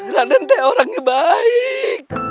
raden orangnya baik